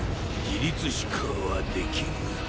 自律思考はできぬ。